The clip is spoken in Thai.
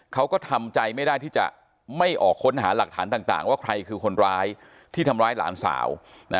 เขาก็ทำใจไม่ได้ที่จะไม่ออกค้นหาหลักฐานต่างว่าใครคือคนร้ายที่ทำร้ายหลานสาว